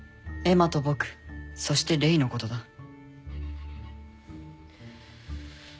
エマと僕そしてレイのことだ。